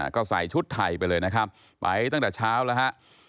ก็ใส่ชุดไทยไปเลยนะครับไปตั้งแต่เช้าแล้วฮะ